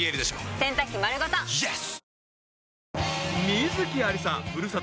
［観月ありさ。